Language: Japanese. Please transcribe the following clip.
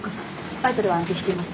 バイタルは安定しています。